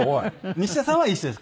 西田さんはいい人です。